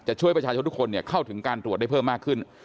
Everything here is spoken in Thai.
ช่วยประชาชนทุกคนเข้าถึงการตรวจได้เพิ่มมากขึ้น